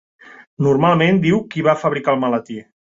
Normalment diu qui va fabricar el maletí.